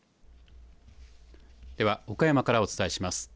では岡山からお伝えします。